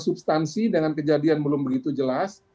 substansi dengan kejadian belum begitu jelas